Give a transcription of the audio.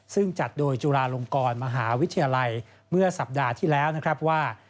ซึ่งจัดโดยจุฬาลงกรมหาวิทยาลัยเมื่อสัปดาห์ที่แล้วนะครับว่า